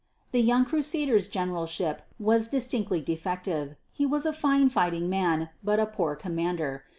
The young Crusader's generalship was distinctly defective; he was a fine fighting man, but a poor commander.